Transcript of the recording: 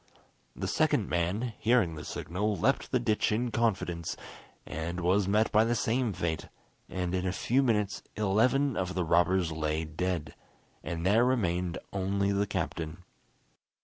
The second man, hearing the signal, leapt the ditch in confidence, and was met by the same fate, and in a few minutes eleven of the robbers lay dead, and there remained only the captain.